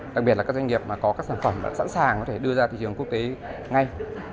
đặc biệt là các doanh nghiệp mà có các sản phẩm sẵn sàng có thể đưa ra thị trường quốc tế ngay